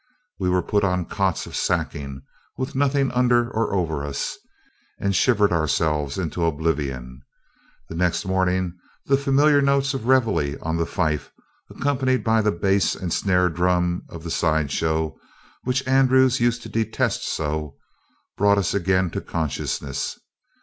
We were put on cots of sacking, with nothing under or over us, and shivered ourselves into oblivion. The next morning, the familiar notes of reveille on the fife, accompanied by the bass and snare drum of the side show, which Andrews used to detest so, brought us again to consciousness.